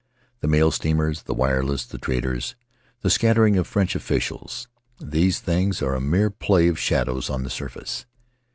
The mail steamers, the wireless, the traders, the scattering of French officials — these things are a mere play of shadows on the surface.